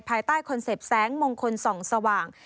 ภายใต้คอนเซ็ปต์แสงมงคลส่องสว่าง